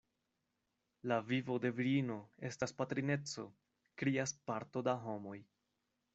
La vivo de virino estas patrineco, krias parto da homoj.